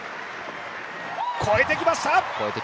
越えてきました。